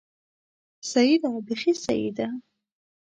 سيي ده، بېخي سيي ده!